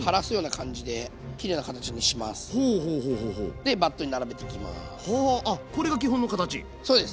でバットに並べていきます。